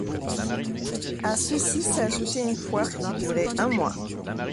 À ceci s'ajoutait une foire qui durait un mois.